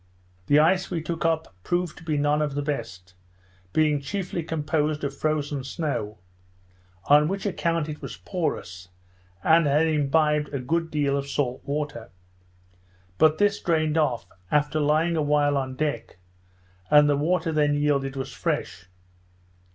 The ice we took up proved to be none of the best, being chiefly composed of frozen snow; on which account it was porous, and had imbibed a good deal of salt water; but this drained off, after lying a while on deck, and the water then yielded was fresh.